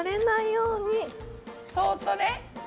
そっとね。